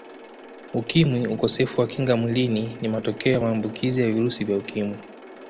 Ukimwi Ukosefu wa Kinga Mwilini ni matokea ya maambukizi ya virusi vya Ukimwi